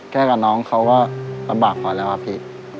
กับน้องเขาก็ลำบากพอแล้วอะพี่